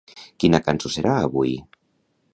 Quina cançó serà, avui?